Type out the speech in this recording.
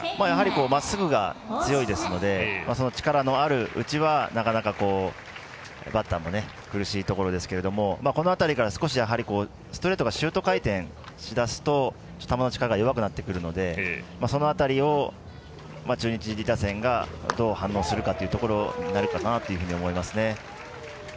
まっすぐが強いですのでその力のあるうちはなかなかバッターも苦しいところですけどこの辺りから少しストレートがシュート回転しだすと球の力が弱くなってくるのでその辺りを、中日打線がどう反応するかというところになるかなと思いますね。